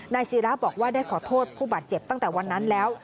ศิราบอกว่าได้ขอโทษผู้บาดเจ็บตั้งแต่วันนั้นแล้ว